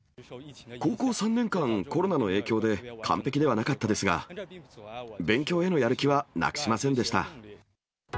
高校３年間、コロナの影響で完璧ではなかったですが、勉強へのやる気はなくしませんでした。